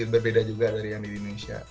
berbeda juga dari yang di indonesia